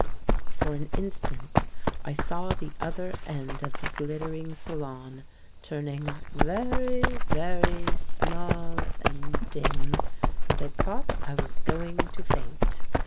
For an instant I saw the other end of the glit tering salon turning very, very small and dim, and I thought I was going to faint.